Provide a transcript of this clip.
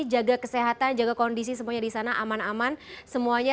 jaga kesehatan jaga kondisi semuanya di sana aman aman semuanya